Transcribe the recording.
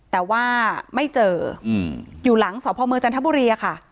แต่ว่าไม่เจออยู่หลังสพเมืองจันทบุรีค่ะ